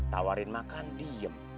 tawarin makan diem